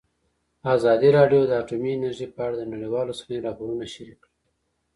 ازادي راډیو د اټومي انرژي په اړه د نړیوالو رسنیو راپورونه شریک کړي.